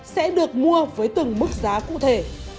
sẽ được mua với từng mức giá cụ thể